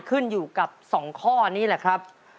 ขึ้นอยู่กับ๒ข้อนี้แหละครับ